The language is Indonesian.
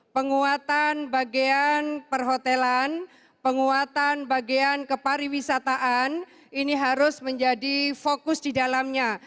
penguatan bagian perhotelan penguatan bagian kepariwisataan ini harus menjadi fokus di dalamnya